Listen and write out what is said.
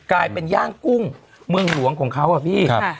กลายเป็นย่างกุ้งเมืองหลวงของเขาอะพี่